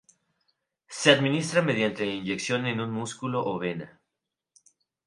Se administra mediante inyección en un músculo o vena.